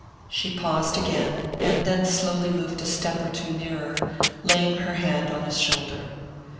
She paused again, and then slowly moved a step or two nearer, laying her hand on his shoulder.